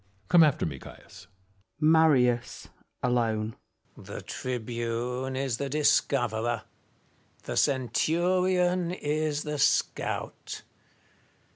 Come after me, Caius. Marius (alone). The tribune is the discoverer ! the centurion is the scout